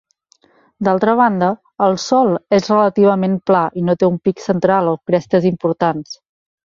D'altra banda, el sòl és relativament pla i no té un pic central o crestes importants.